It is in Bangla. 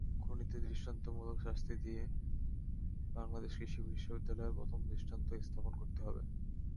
খুনিদের দৃষ্টান্তমূলক শাস্তি দিয়ে বাংলাদেশ কৃষি বিশ্ববিদ্যালয়ে প্রথম দৃষ্টান্ত স্থাপন করতে হবে।